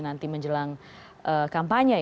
nanti menjelang kampanye